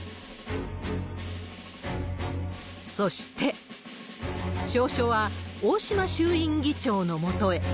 そして、詔書は大島衆院議長のもとへ。